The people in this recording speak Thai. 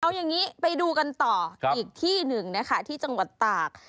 เอาอย่างนี้ไปดูกันต่ออีกที่หนึ่งนะคะที่จังหวัดตาก